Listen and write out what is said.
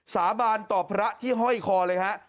สาบานต่อพระที่ห้อยคอเลยฮะ